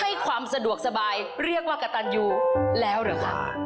ให้ความสะดวกสบายเรียกว่ากระตันยูแล้วหรือคะ